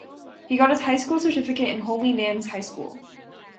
He got his High School Certificate in Holy Names High School.